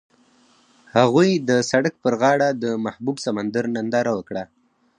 هغوی د سړک پر غاړه د محبوب سمندر ننداره وکړه.